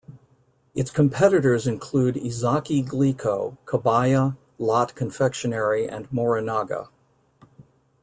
Its competitors include Ezaki Glico, Kabaya, Lotte Confectionery and Morinaga.